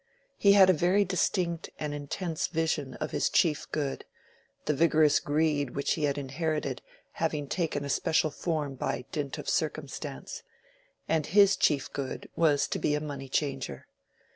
He had a very distinct and intense vision of his chief good, the vigorous greed which he had inherited having taken a special form by dint of circumstance: and his chief good was to be a moneychanger.